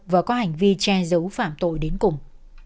và có hành vi che giấu phạm tội đến cùng